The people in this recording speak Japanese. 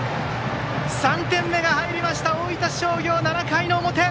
３点目が入りました大分商業、７回の表。